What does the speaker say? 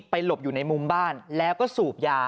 หลบอยู่ในมุมบ้านแล้วก็สูบยา